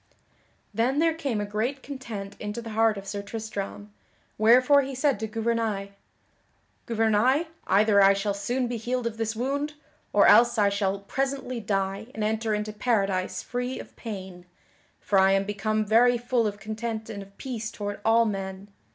Then there came a great content into the heart of Sir Tristram, wherefore he said to Gouvernail: "Gouvernail, either I shall soon be healed of this wound, or else I shall presently die and enter into Paradise free of pain, for I am become very full of content and of peace toward all men."